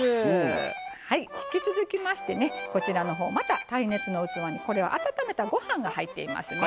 引き続きまして、また耐熱の器に温めたご飯が入っていますね。